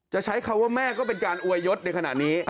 ใช้คำว่าแม่ก็เป็นการอวยยศในขณะนี้